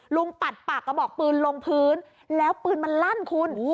ปัดปากกระบอกปืนลงพื้นแล้วปืนมันลั่นคุณ